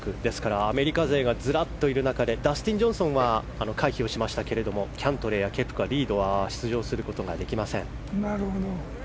アメリカ勢がずらっといる中でダスティン・ジョンソンは回避をしましたけれどもキャントレーやケプカ、リードは出場することができません。